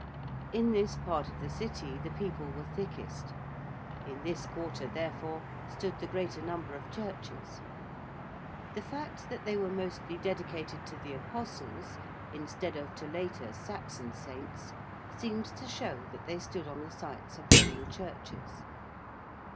In this part of the City the people were thickest; in this quarter, therefore, stood the greater number of churches: the fact that they were mostly dedicated to the apostles instead of to later Saxon saints seems to show that they stood on the sites of Roman churches.